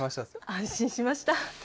安心しました。